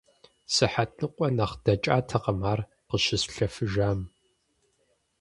Сыхьэт ныкъуэ нэхъ дэкӀатэкъым ар къыщыслъэфыжам.